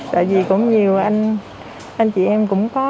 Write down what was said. tại vì cũng nhiều anh chị em cũng có